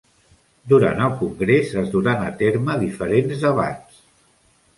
Durant el congrés es duran a terme diferents debats.